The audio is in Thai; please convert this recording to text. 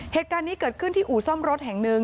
เหตุการณ์นี้เกิดขึ้นที่อู่ซ่อมรถแห่งหนึ่ง